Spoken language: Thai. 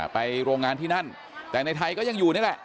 โรงงานที่นั่นแต่ในไทยก็ยังอยู่นี่แหละ